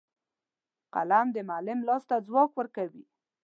قلم د معلم لاس ته ځواک ورکوي